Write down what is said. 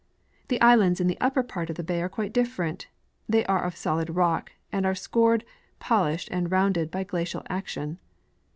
The islands in the upper part of the bay are quite different ; they are of solid rock, and are scored, polished, and rounded by glacial action.